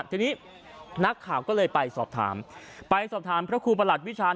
ทีนี้นักข่าวก็เลยไปสอบถามไปสอบถามพระครูประหลัดวิชาณ